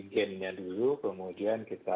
gennya dulu kemudian kita